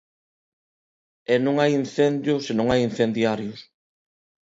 E non hai incendio se non hai incendiarios.